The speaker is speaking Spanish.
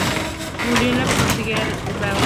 Murió en la postguerra en Bilbao.